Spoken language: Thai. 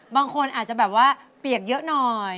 บางคนอาจจะแบบว่าเปียกเยอะหน่อย